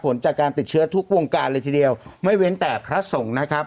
ผลจากการติดเชื้อทุกวงการเลยทีเดียวไม่เว้นแต่พระสงฆ์นะครับ